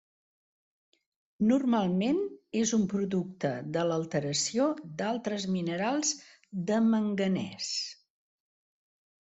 Normalment és un producte de l'alteració d'altres minerals de manganès.